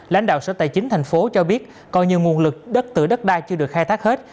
lãnh đạo sở tài chính thành phố cho biết coi như nguồn lực đất tửa đất đai chưa được khai thác hết